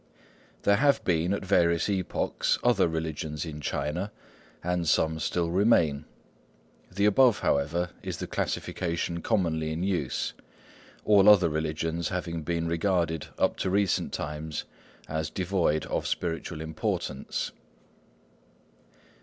There have been, at various epochs, other religions in China, and some still remain; the above, however, is the classification commonly in use, all other religions having been regarded up to recent times as devoid of spiritual importance.